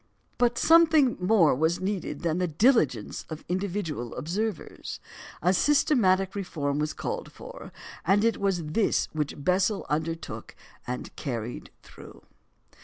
But something more was needed than the diligence of individual observers. A systematic reform was called for; and it was this which Bessel undertook and carried through.